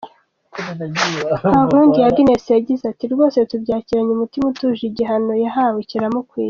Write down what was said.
Kankundiye Agnes yagize ati” Rwose tubyakiranye umutima utuje, igihano yahawe kiramukwiye.